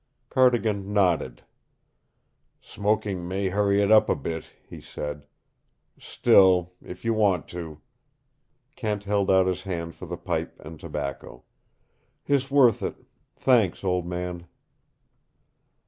Cardigan nodded. "Smoking may hurry it up a bit," he said. "Still, if you want to " Kent held out his hand for the pipe and tobacco. "It's worth it. Thanks, old man."